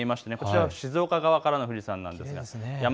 こちらは静岡側からの富士山です。